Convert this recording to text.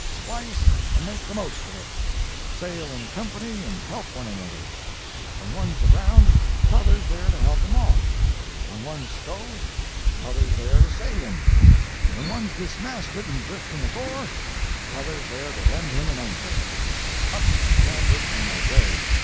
Splice and make the most of it. Sail in company and help one another. When one's aground t'other's there to help him off; when one's stove, t'other's there to save him; when one's dismasted and drifting ashore, t'other's there to lend him an anchor. Up canvas and away!